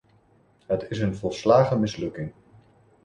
Het is een volslagen mislukking.